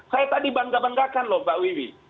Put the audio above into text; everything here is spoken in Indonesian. saya tadi bangga banggakan loh mbak wiwi